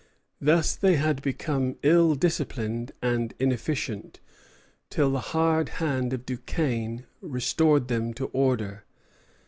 Thus they had become ill disciplined and inefficient, till the hard hand of Duquesne restored them to order.